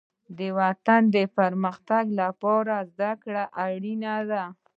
د وطن د پرمختګ لپاره زدهکړه اړینه ده.